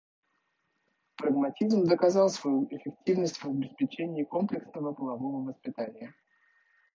Прагматизм доказал свою эффективность в обеспечении комплексного полового воспитания.